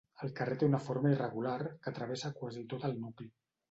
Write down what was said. El carrer té una forma irregular que travessa quasi tot el nucli.